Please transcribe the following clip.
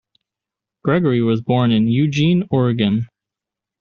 Gregory was born in Eugene, Oregon.